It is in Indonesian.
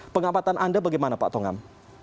pengamatan anda bagaimana pak tongam